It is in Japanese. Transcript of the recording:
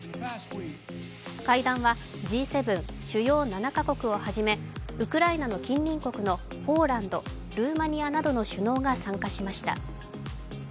会談はＧ７＝主要７カ国をはじめ、ウクライナの近隣国のポーランド、ルーマニアなどの首脳が参加しました。